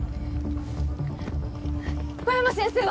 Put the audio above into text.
小山先生は？